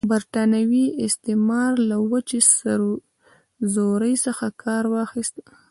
برټانوي استعمار له وچې سرزورۍ څخه کار واخیست.